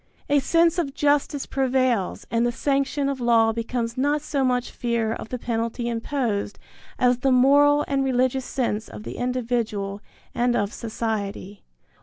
A sense of justice prevails and the sanction of law becomes not so much fear of the penalty imposed, as the moral and religious sense of the individual and of society.